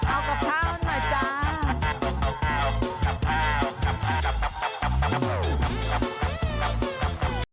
เอากลับข้าวหน่อยจ้า